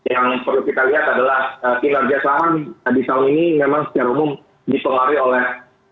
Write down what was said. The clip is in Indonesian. yang perlu kita lihat adalah kinerja saham di saham ini memang secara umum dipengaruhi oleh